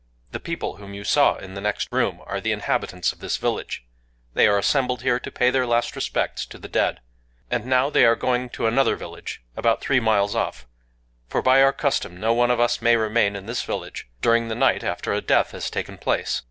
The people whom you saw in the next room are the inhabitants of this village: they all assembled here to pay their last respects to the dead; and now they are going to another village, about three miles off,—for by our custom, no one of us may remain in this village during the night after a death has taken place.